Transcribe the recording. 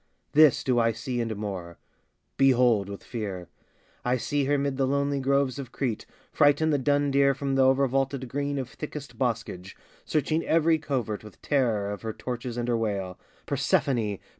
This do I see, and more: Behold, with fear! I see her 'mid the lonely groves of Crete, Frighten the dun deer from th' o'ervaulted green Of thickest boscage, searching every covert With terror of her torches and her wail, "Persephone!